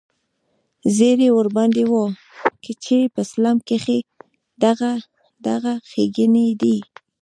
زيرى ورباندې وکه چې په اسلام کښې دغه دغه ښېګڼې دي.